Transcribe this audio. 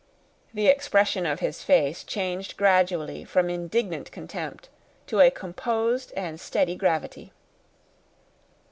The expression of his face changed gradually from indignant contempt to a composed and steady gravity.